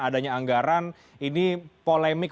adanya anggaran ini polemik